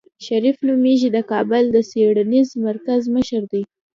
شريف نومېږي د کابل د څېړنيز مرکز مشر دی.